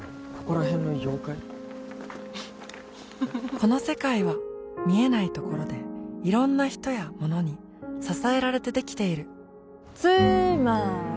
この世界は見えないところでいろんな人やものに支えられてできているつーまーり！